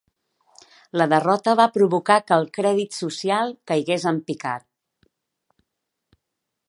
La derrota va provocar que el Crèdit Social caigués en picat.